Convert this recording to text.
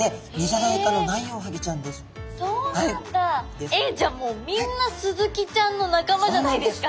えっじゃあもうみんなスズキちゃんの仲間じゃないですか。